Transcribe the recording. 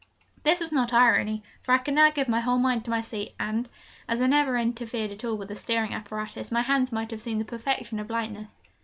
This was not irony, for I could now give my whole mind to my seat; and, as I never interfered at all with the steering apparatus, my hands must have seemed the perfection of lightness.